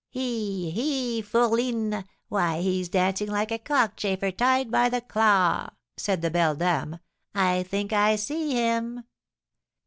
"He, he, fourline! Why, he's dancing like a cockchafer tied by the claw," said the beldame, "I think I see him!"